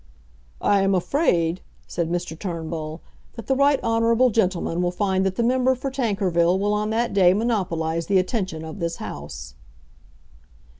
"I am afraid," said Mr. Turnbull, "that the right honourable gentleman will find that the member for Tankerville will on that day monopolise the attention of this House."